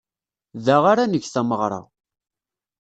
Da ara neg tameɣra.